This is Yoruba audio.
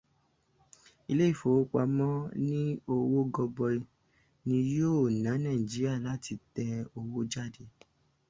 Ilé ìfowópamọ́ ní owó gọbọi ní yóò ná Nàíjíríà láti tẹ owó jáde.